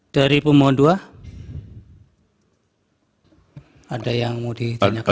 dari pemohon dua ada yang mau ditanyakan